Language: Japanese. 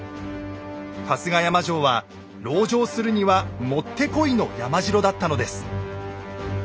春日山城は籠城するには持って来いの山城だったのです。